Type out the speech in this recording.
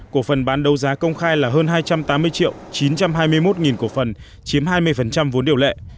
cổ phần bán đấu giá công khai là hơn hai trăm tám mươi triệu chín trăm hai mươi một cổ phần chiếm hai mươi vốn điều lệ